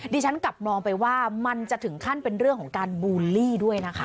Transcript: ฉันกลับมองไปว่ามันจะถึงขั้นเป็นเรื่องของการบูลลี่ด้วยนะคะ